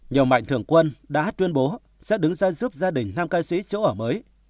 nhiều mạnh thường quân đã tuyên bố sẽ đứng ra giúp gia đình nam ca sĩ chỗ ở mới